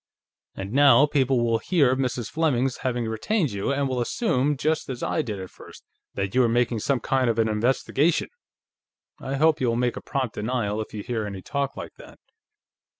"And now, people will hear of Mrs. Fleming's having retained you, and will assume, just as I did at first, that you are making some kind of an investigation. I hope you will make a prompt denial, if you hear any talk like that."